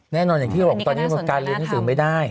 แน่นอนอย่างที่เราบอกตอนนี้มันการเรียนรู้สึกไม่ได้